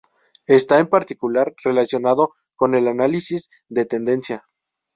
Está en particular relacionado con el "análisis de tendencia".